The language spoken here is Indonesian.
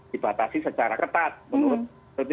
dibatasi secara ketat